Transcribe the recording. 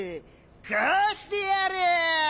こうしてやる！